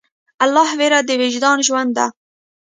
د الله ویره د وجدان ژوند ده.